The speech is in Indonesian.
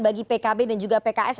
bagi pkb dan juga pks